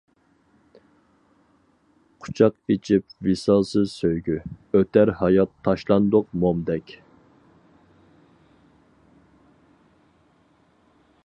قۇچاق ئېچىپ ۋىسالسىز سۆيگۈ، ئۆتەر ھايات تاشلاندۇق مومدەك.